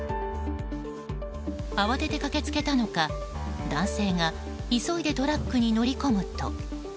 慌てて駆けつけたのか、男性が急いでトラックに乗り込むと。